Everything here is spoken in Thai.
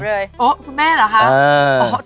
คุณแม่เหรอคะ